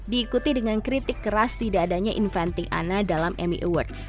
diikuti dengan kritik keras tidak adanya inventing ana dalam amy awards